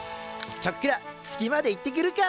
「ちょっくら月まで行ってくるか」